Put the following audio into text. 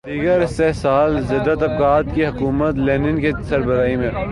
دیگر استحصال زدہ طبقات کی حکومت لینن کی سربراہی میں